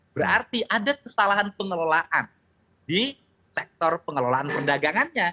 berarti ada kesalahan pengelolaan di sektor pengelolaan perdagangannya